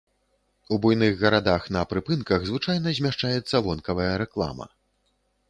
У буйных гарадах на прыпынках звычайна змяшчаецца вонкавая рэклама.